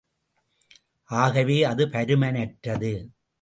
ஆகவே, அது பருமனற்றது.